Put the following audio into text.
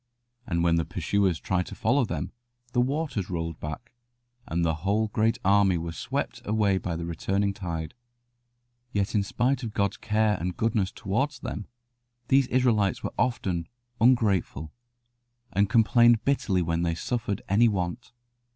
And when the pursuers tried to follow them, the waters rolled back, and the whole great army were swept away by the returning tide. Yet in spite of God's care and goodness towards them, these Israelites were often ungrateful, and complained bitterly when they suffered any want.